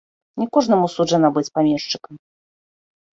Не кожнаму суджана быць памешчыкам.